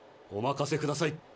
お任せください